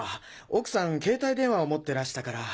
奥さん携帯電話を持ってらしたから。